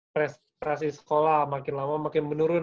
prestasi sekolah makin lama makin menurun